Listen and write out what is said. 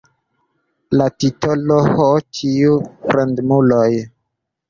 La titolo "Ho, tiuj fremduloj!